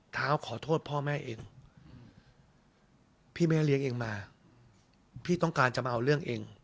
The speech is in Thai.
เท้าขอโทษพ่อแม่เองพี่แม่เลี้ยงเองมาพี่ต้องการจะมาเอาเรื่องเอง